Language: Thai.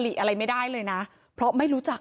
เหตุการณ์เกิดขึ้นแถวคลองแปดลำลูกกา